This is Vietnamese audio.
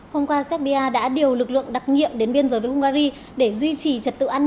hôm qua serbia đã điều lực lượng đặc nhiệm đến biên giới với hungary để duy trì trật tự an